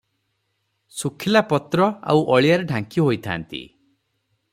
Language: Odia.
ଶୁଖିଲାପତ୍ର ଆଉ ଅଳିଆରେ ଢାଙ୍କି ହୋଇଥାନ୍ତି ।